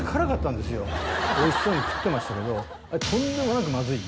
おいしそうに食ってましたけどあれ。